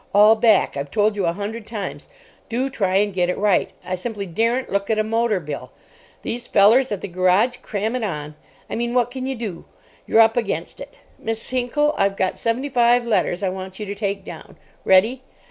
All back. I've told you a hundred times. Do try and get it right—I simply daren't look at a motor bill. These fellers at the garage cram it on—I mean, what can you do? You're up against it—Miss Hinckel, I've got seventy five letters I want you to take down. Ready?